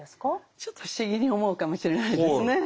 ちょっと不思議に思うかもしれないですね。